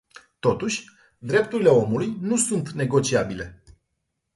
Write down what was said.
Totuși, drepturile omului nu sunt negociabile.